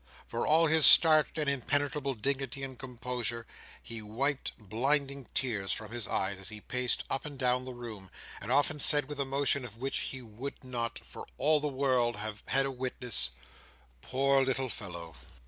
For all his starched, impenetrable dignity and composure, he wiped blinding tears from his eyes as he paced up and down his room; and often said, with an emotion of which he would not, for the world, have had a witness, "Poor little fellow!"